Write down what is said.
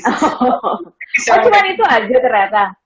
oh cuma itu aja ternyata